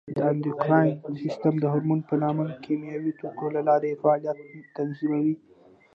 د اندوکراین سیستم د هورمون په نامه کیمیاوي توکو له لارې فعالیت تنظیموي.